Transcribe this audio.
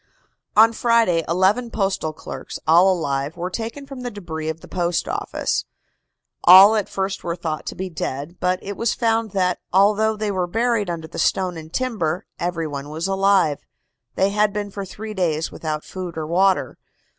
On Friday eleven postal clerks, all alive, were taken from the debris of the Post Office. All at first were thought to be dead, but it was found that, although they were buried under the stone and timber, every one was alive. They had been for three days without food or water.